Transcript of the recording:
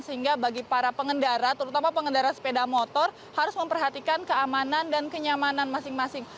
sehingga bagi para pengendara terutama pengendara sepeda motor harus memperhatikan keamanan dan kenyamanan masing masing